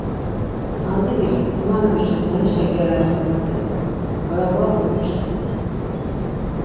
Nandidik, k̆ulanimuşis manişa gyari axvenas ya do baraburape uçxaps.